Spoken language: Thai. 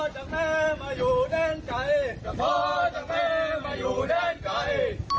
จากพ่อจากแม่มาอยู่แดนไก่